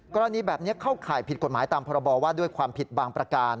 กรณีแบบนี้เข้าข่ายผิดกฎหมายตามพรบว่าด้วยความผิดบางประการ